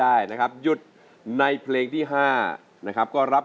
หยุดครับหยุดครับหยุดครับ